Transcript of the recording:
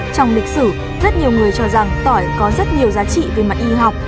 trong lịch sử rất nhiều người cho rằng tỏi có rất nhiều giá trị về mặt y học